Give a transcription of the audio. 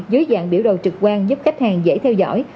dưới dạng biểu đồ trực quan giúp khách hàng dễ theo dõi